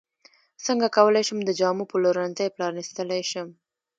څنګه کولی شم د جامو پلورنځی پرانستلی شم